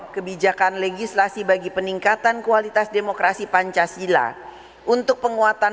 kebijakan legislasi bagi peningkatan kualitas demokrasi pancasila untuk penguatan